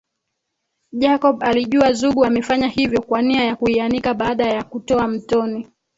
Jacob alijua Zugu amefanya hivyo kwa nia ya kuianika baada ya kutoka mtoni